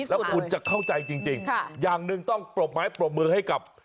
แล้วคุณจะเข้าใจจริงอย่างหนึ่งต้องปรบไม้ปรบมือให้กับ